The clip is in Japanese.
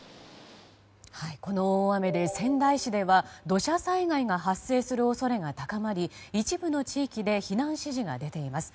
この大雨で仙台市では土砂災害が発生する恐れが高まり一部の地域で避難指示が出ています。